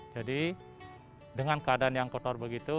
jadi dengan keadaan yang kotor begitu